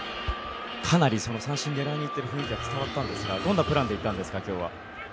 かなり三振を狙いにいっている雰囲気は感じたんですがどんなプランで今日はいったんですか？